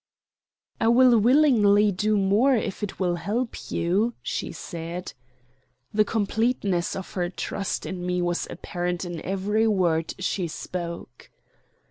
"I will willingly do more, if it will help you," she said. The completeness of her trust in me was apparent in every word she spoke.